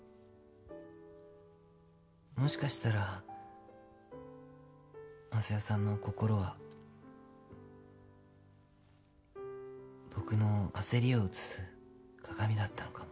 もしかしたら昌代さんの心は僕の焦りを映す鏡だったのかもしれません。